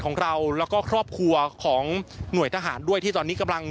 ของเราแล้วก็ครอบครัวของหน่วยทหารด้วยที่ตอนนี้กำลัง